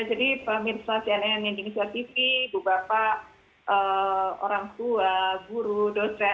jadi pemirsa cnn indonesia tv ibu bapak orang tua guru dosen